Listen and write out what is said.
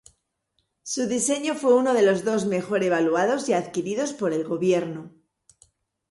Su diseño fue uno de los dos mejor evaluados y adquiridos por el gobierno.